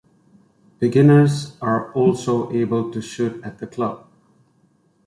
Beginners are also able to shoot at the club.